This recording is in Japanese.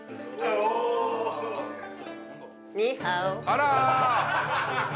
あら！